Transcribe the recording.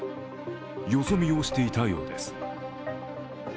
よそ見をしていたようです。